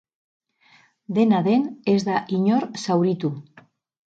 Dena den, ez da inor zauritu.